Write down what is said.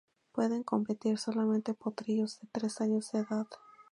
Pueden competir solamente potrillos de tres años de edad.